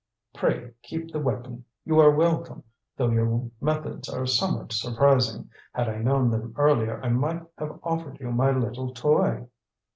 "Pray keep the weapon. You are welcome, though your methods are somewhat surprising. Had I known them earlier, I might have offered you my little toy."